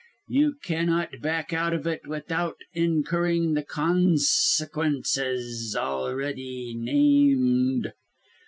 You cannot back out of it without incurring the consequences already named.